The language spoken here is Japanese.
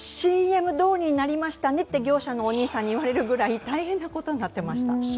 ＣＭどおりになりましたねって業者のお兄さんに言われるぐらい大変なことになってました。